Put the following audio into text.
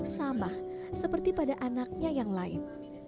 sama seperti pada anaknya yang lain